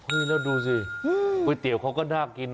นี่แล้วดูสิก๋วยเตี๋ยวเขาก็น่ากินนะ